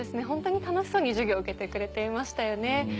ホントに楽しそうに授業受けてくれていましたよね。